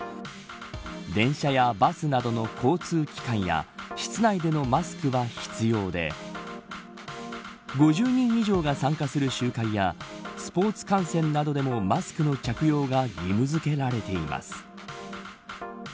電車やバスなどの交通機関や室内でのマスクは必要で５０人以上が参加する集会やスポーツ観戦などでもマスクの着用が義務付けられています。